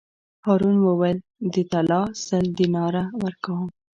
هارون وویل: د طلا سل دیناره ورکووم.